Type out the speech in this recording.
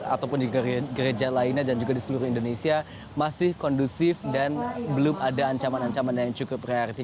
ataupun di gereja lainnya dan juga di seluruh indonesia masih kondusif dan belum ada ancaman ancaman yang cukup kreatif